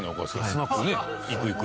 スナックね行く行く。